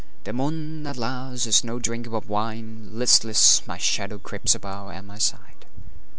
The moon, alas, is no drinker of wine; Listless, my shadow creeps about at my side.